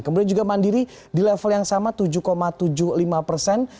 kemudian juga mandiri di level yang sama tujuh tujuh puluh lima persen